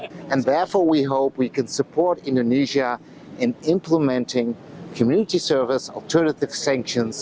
dan sehingga kita berharap kita dapat mendukung indonesia dalam menimbulkan sanksi alternatif perkhidmatan komunitas